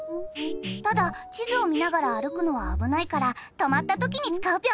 ただちずをみながらあるくのはあぶないからとまったときにつかうピョン。